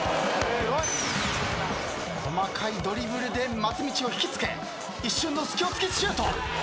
細かいドリブルで松道を引きつけ一瞬の隙を突きシュート。